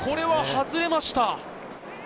外れましたね。